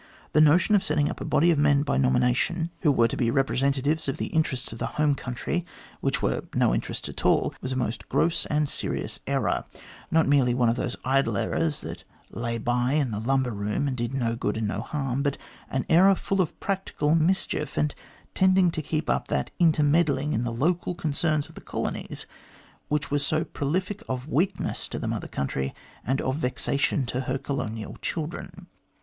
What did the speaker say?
The notion of setting up a body of men by nomination who were 220 THE GLADSTONE COLONY to be representatives of the interests of the home country, which were no interests at all, was a most gross and serious error, not merely one of those idle errors that lay by in the lumber room and did no good and no harm, but an error full of practical mischief, and tending to keep up that inter meddling in the local concerns of the colonies, which was so prolific of weakness to the Mother Country, and of vexation to her colonial children.